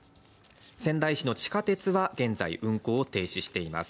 仙台市の地下鉄は現在運行を停止しています。